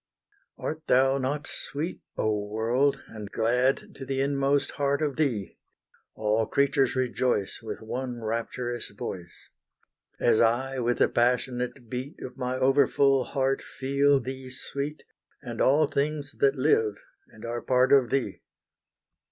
Art thou not sweet, Oh world, and glad to the inmost heart of thee! All creatures rejoice With one rapturous voice. As I, with the passionate beat Of my over full heart feel thee sweet, And all things that live, and are part of thee!